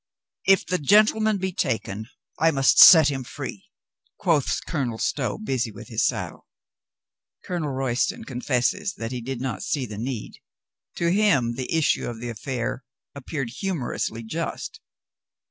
"If the gentleman be taken, I must set him free," quoth Colonel Stow, busy with his saddle. Colonel Royston confesses that he did not see the need. To him the issue of the affair appeared hu morously just.